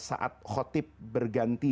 saat khotib berganti